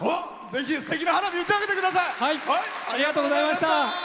ぜひ、すてきな花火打ち上げてください！